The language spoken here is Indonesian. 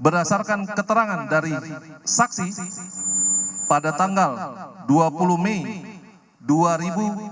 berdasarkan keterangan dari saksi pada tanggal dua puluh mei dua ribu dua puluh